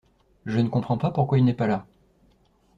Je ne comprends pas pourquoi il n'est pas là.